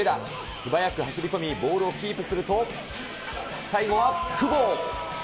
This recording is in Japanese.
すばやく走り込み、ボールをキープすると、最後は久保。